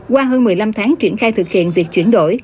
qua hơn một mươi năm tháng triển khai thực hiện việc chuyển đổi